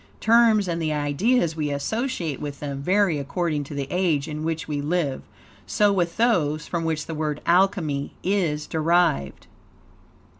Terms, and the ideas we associate with them, vary according to the age in which we live. So with those, from which the word Alchemy is derived.